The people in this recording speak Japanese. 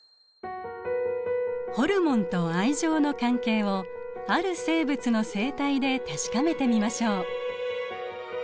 ホルモンと愛情の関係をある生物の生態で確かめてみましょう。